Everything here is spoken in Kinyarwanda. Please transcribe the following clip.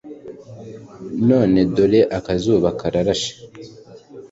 none dore akazuba karatse